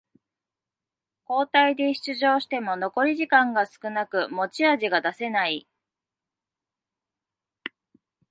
交代で出場しても残り時間が少なく持ち味が出せない